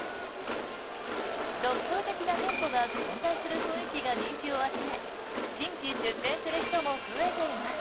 独創的な店舗が混在する雰囲気が人気を集め新規出店する人も増えています。